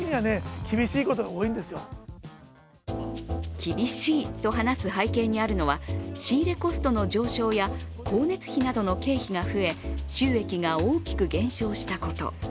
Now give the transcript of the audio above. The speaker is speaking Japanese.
厳しいと話す背景にあるのは仕入れコストの上昇や光熱費などの経費が増え収益が大きく減少したこと。